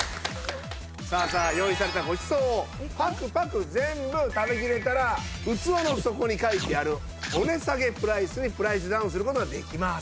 さあさあ用意されたごちそうをパクパク全部食べきれたら器の底に書いてあるお値下げプライスにプライスダウンする事ができます。